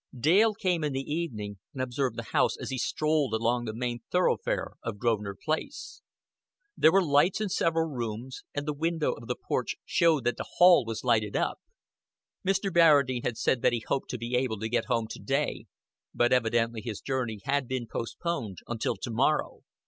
Dale came in the evening and observed the house as he strolled along the main thoroughfare of Grosvenor Place. There were lights in several rooms, and the window of the porch showed that the hail was lighted up. Mr. Barradine had said that he hoped to be able to get home to day, but evidently his journey had been postponed until to morrow.